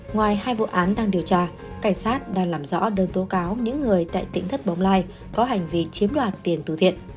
ngoài hai vụ án đang điều tra cảnh sát đang làm rõ đơn tố cáo những người tại tỉnh thất bồng lai có hành vi chiếm đoạt tiền tử thiện